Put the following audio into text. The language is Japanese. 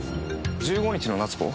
１５日の奈津子？